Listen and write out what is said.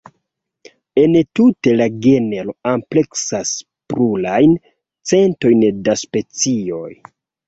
Entute la genro ampleksas plurajn centojn da specioj.